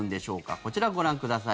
こちらをご覧ください。